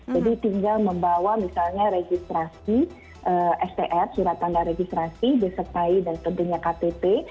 jadi tinggal membawa misalnya registrasi stf surat tanda registrasi bski dan tentunya ktt